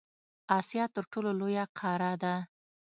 اسیا تر ټولو لویه قاره ده.